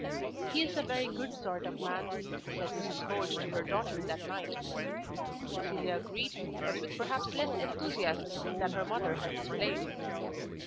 "He is a very good sort of man," said Mrs. Holt to her daughter that night. Cecilia agreed, but with perhaps less enthusiasm than her mother had displayed.